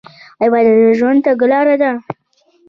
عبادت د ژوند تګلاره ده.